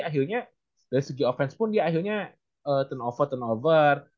akhirnya dari segi offense pun dia akhirnya turn over turn over